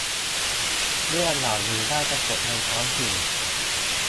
เรื่องเหล่านี้น่าจะจบในท้องถิ่น